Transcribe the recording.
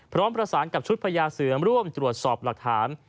พร้อมประสานกับชุดพญาเสือมร่วมตรวจสอบหลักฐาน